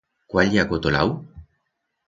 Cuál ye acotolau?